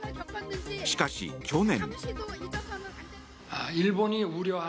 しかし、去年。